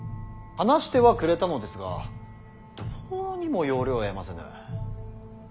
話してはくれたのですがどうにも要領を得ませぬ。